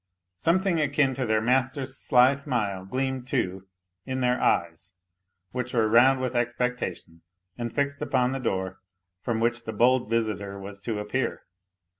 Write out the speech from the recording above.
Something akin to their master's sly smile gleamed, too, in their eyes, which were round with expectation, and fixed upon the door from which the bold visitor was to appear.